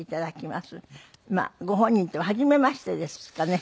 まあご本人とははじめましてですかね？